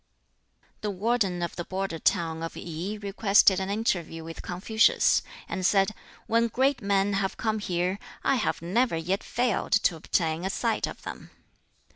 The warden of the border town of I requested an interview with Confucius, and said, "When great men have come here, I have never yet failed to obtain a sight of them."